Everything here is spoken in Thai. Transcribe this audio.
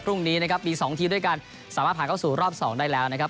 พรุ่งนี้นะครับมี๒ทีมด้วยกันสามารถผ่านเข้าสู่รอบ๒ได้แล้วนะครับ